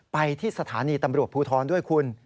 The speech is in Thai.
ไปที่สถานีตำรวจภูทรด้วยคุณ